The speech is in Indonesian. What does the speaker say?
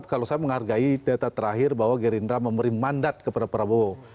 kalau saya menghargai data terakhir bahwa gerindra memberi mandat kepada prabowo